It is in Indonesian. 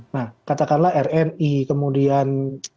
nah katakanlah rni kemudian